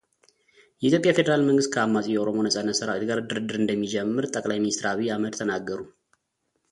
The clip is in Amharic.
የኢትዮጵያ ፌደራል መንግሥት ከአማጺው የኦሮሞ ነጻነት ሠራዊት ጋር ድርድር እንደሚጀምር ጠቅላይ ሚኒስትር ዐቢይ አሕመድ ተናገሩ።